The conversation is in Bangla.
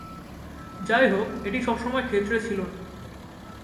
যাইহোক, এটি সবসময় ক্ষেত্রে ছিল না।